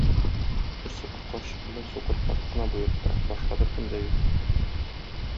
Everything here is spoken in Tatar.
Бер сукыр карчык белән сукыр карт кына бу йортта, башка беркем дә юк.